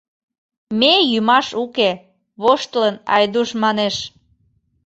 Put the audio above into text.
— Ме йӱмаш уке, — воштылын, Айдуш манеш.